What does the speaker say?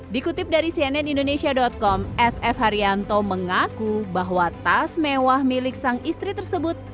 dikutip dari cnn indonesia com sf haryanto mengaku bahwa tas mewah milik sang istri tersebut